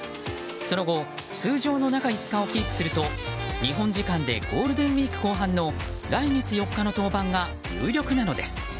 その後、通常の中５日をキープすると日本時間でゴールデンウィーク後半の来月４日の登板が有力なのです。